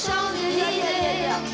いやいやいやいや。